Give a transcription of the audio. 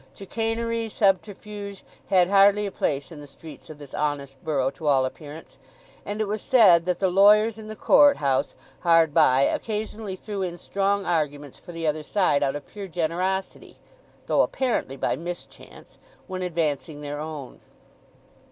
Chicanery, subterfuge, had hardly a place in the streets of this honest borough to all appearance; and it was said that the lawyers in the Court House hard by occasionally threw in strong arguments for the other side out of pure generosity (though apparently by mischance) when advancing their own.